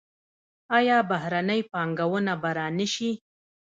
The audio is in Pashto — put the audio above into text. آیا بهرنۍ پانګونه به را نشي؟